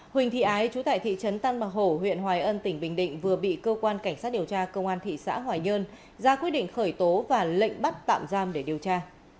huỳnh thị ái trú tại thị trấn tân bằng hổ huyện hoài ân tỉnh bình định vừa bị cơ quan cảnh sát điều tra công an thị xã hoài nhơn ra quyết định khởi tố và lệnh bắt tạm giam để điều tra